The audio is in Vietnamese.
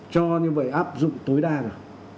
cho như vậy áp dụng tối đa rồi